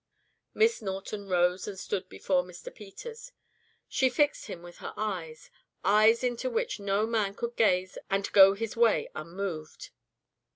Miss Norton rose and stood before Mr. Peters. She fixed him with her eyes eyes into which no man could gaze and go his way unmoved.